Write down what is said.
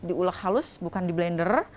diulek halus bukan di blender